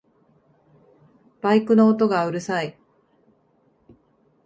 バイクの音がうるさい